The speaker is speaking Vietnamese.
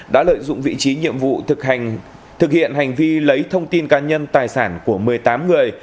đã lợi dụng vị trí nhiệm vụ thực hiện hành vi lấy thông tin cá nhân tài sản của một mươi tám người